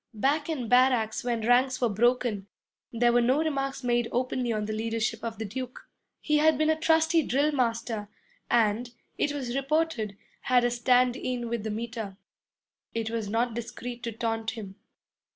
Back in barracks when ranks were broken, there were no remarks made openly on the leadership of the Duke. He had been a trusty drill master and, it was reported, had a 'stand in' with the Meter. It was not discreet to taunt him.